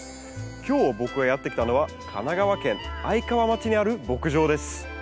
今日僕がやって来たのは神奈川県愛川町にある牧場です。